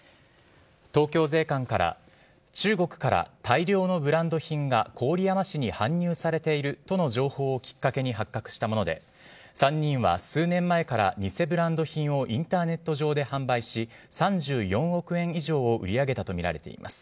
東京税関から中国から大量のブランド品が郡山市に搬入されているとの情報をきっかけに発覚したもので、３人は数年前から偽ブランド品をインターネット上で販売し、３４億円以上を売り上げたと見られています。